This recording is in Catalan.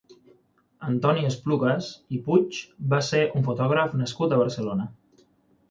Antoni Esplugas i Puig va ser un fotògraf nascut a Barcelona.